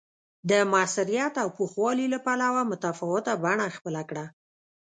د موثریت او پوخوالي له پلوه متفاوته بڼه خپله کړه